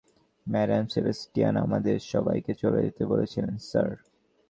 Madam Sebastian আমাদের সবাইকে চলে যেতে বলেছিলেন, স্যার।